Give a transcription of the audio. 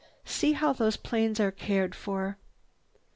"See how those planes are cared for.